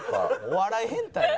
お笑い変態や。